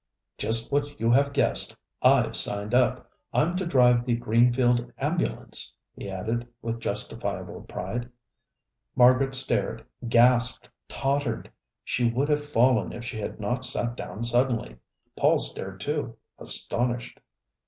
_" "Just what you have guessed. I've signed up. I'm to drive the Greenfield ambulance," he added with justifiable pride. Margaret stared, gasped, tottered. She would have fallen if she had not sat down suddenly. Paul stared, too, astonished.